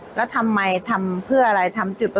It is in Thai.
ก็เป็นสถานที่ตั้งมาเพลงกุศลศพให้กับน้องหยอดนะคะ